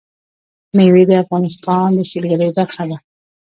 مېوې د افغانستان د سیلګرۍ برخه ده.